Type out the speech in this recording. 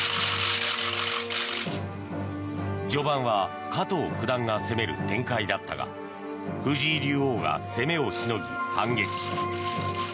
序盤は加藤九段が攻める展開だったが藤井竜王が攻めをしのぎ反撃。